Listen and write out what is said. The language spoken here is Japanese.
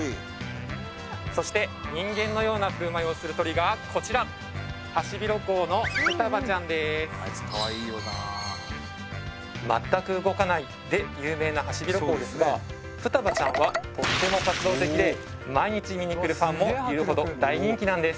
そして人間のような振る舞いをする鳥がこちら「まったく動かない」で有名なハシビロコウですがふたばちゃんはとっても活動的で毎日見にくるファンもいるほど大人気なんです